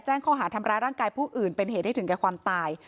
ข้อหาทำร้ายร่างกายผู้อื่นเป็นเหตุให้ถึงแก่ความตาย